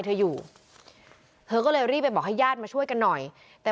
เธออยู่เธอก็เลยรีบไปบอกให้ญาติมาช่วยกันหน่อยแต่